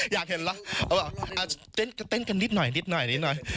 อยากเห็นหรอเอาป่ะต้นกันต้นกันนิดหน่อยนิดหน่อยนิดหน่อย